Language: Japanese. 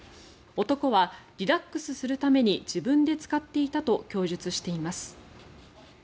男は、リラックスするために自分で使っていたと供述しています。